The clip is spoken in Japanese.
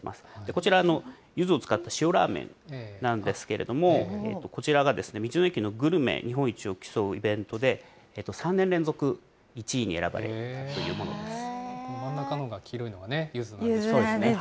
こちら、ゆずを使った塩ラーメンなんですけれども、こちらが道の駅のグルメ日本一を競うイベントで３年連続１位に選真ん中のが、黄色いのがゆずなんですね。